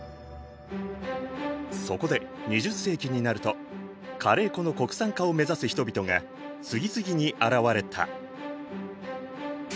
そこで２０世紀になるとカレー粉の国産化を目指す人々が次々に現れた。